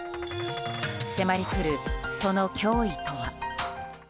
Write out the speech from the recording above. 迫りくる、その脅威とは。